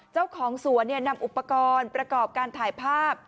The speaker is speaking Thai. เจ้าของสวนนำอุปกรณ์ประกอบการถ่ายภาพ